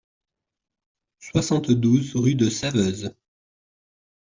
soixante-douze rue de Saveuse